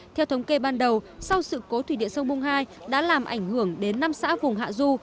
theo thống kê ban đầu sau sự cố thủy điện sông bung hai đã làm ảnh hưởng đến năm xã vùng hạ du